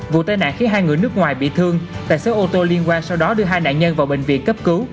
vụ tai nạn khiến hai người nước ngoài bị thương tài xế ô tô liên quan sau đó đưa hai nạn nhân vào bệnh viện cấp cứu